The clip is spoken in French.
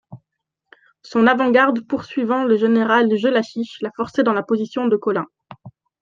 Son avant-garde poursuivant le général Jellachich, l'a forcé dans la position de Colling.